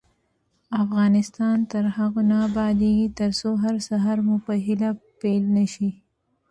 افغانستان تر هغو نه ابادیږي، ترڅو هر سهار مو په هیله پیل نشي.